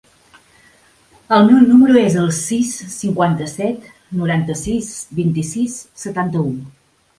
El meu número es el sis, cinquanta-set, noranta-sis, vint-i-sis, setanta-u.